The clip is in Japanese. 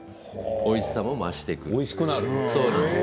おいしさも増してきます。